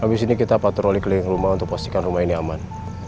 habis ini kita patroli keliling rumah untuk pastikan rumah ini aman